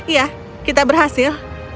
ya kita berhasil